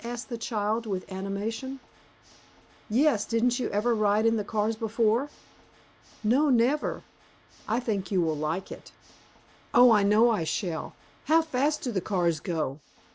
asked the child, with animation. "Yes, didn't you ever ride in the cars before?" "No, never." "I think you will like it." "Oh, I know I shall. How fast do the cars go?"